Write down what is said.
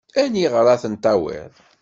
Aniɣer ad ten-tawiḍ?